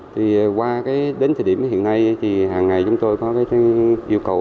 thì qua đến thời điểm hiện nay thì hàng ngày chúng tôi có cái yêu cầu